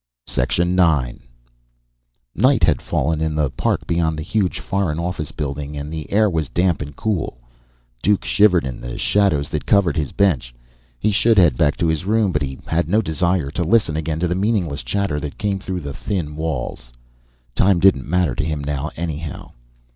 IX Night had fallen in the park beyond the huge Foreign Office building and the air was damp and cool. Duke shivered in the shadows that covered his bench. He should head back to his room, but he had no desire to listen again to the meaningless chatter that came through the thin walls. Time didn't matter to him now, anyhow.